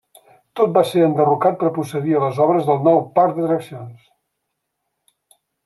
Tot va ser enderrocat per procedir a les obres del nou parc d'atraccions.